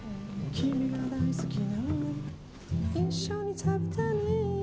「君が大好きなもの」「一緒に食べたね」